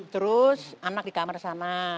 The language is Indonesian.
terus anak di kamar sama